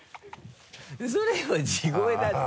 それは地声だって。